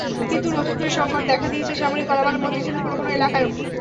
কিন্তু নতুন করে সংকট দেখা দিয়েছে শ্যামলী, কলাবাগান, মতিঝিলের কোনো কোনো এলাকায়ও।